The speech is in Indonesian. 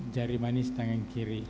jari manis tangan kiri